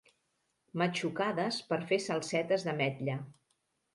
Matxucades per fer salsetes d'ametlla.